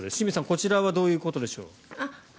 こちらはどういうことでしょう。